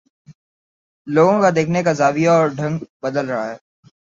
لوگوں کا دیکھنے کا زاویہ اور ڈھنگ بدل رہا ہے۔